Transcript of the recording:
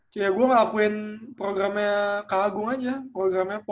cukup ya gue ngelakuin programnya kak agung aja programnya pon